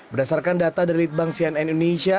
berdasarkan data dari litbang cnn indonesia